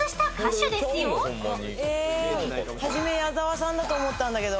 えはじめ矢沢さんだと思ったんだけど。